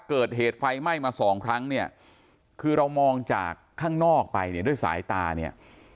เกิดเหตุไฟไหม้มาสองครั้งเนี่ยคือเรามองจากข้างนอกไปเนี่ยด้วยสายตาเนี่ย